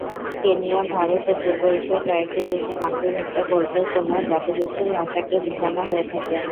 Kenya, Bharat, ও পূর্ব এশীয় কয়েকটি দেশে "মাতৃভাষা" বলতে কোন জাতিগোষ্ঠীর ভাষাকে বুঝানো হয়ে থাকে।